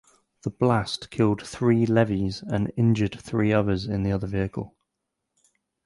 The blast killed three Levies and injured three others in the other vehicle.